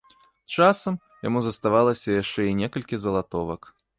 Часам яму заставалася яшчэ і некалькі залатовак.